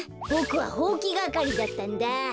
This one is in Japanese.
ボクはほうきがかりだったんだ。